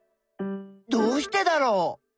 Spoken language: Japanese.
どうしてだろう？